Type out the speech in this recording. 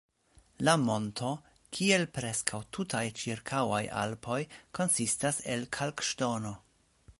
La monto, kiel preskaŭ tutaj ĉirkaŭaj Alpoj, konsistas el kalkŝtono.